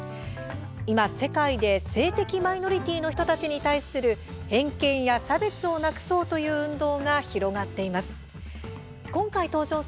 今、世界で性的マイノリティーの人たちに対する偏見や差別をなくそうという運動が広がっています。